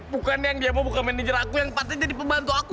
bukan yang dia mau bukan manajer aku yang penting jadi pembantu aku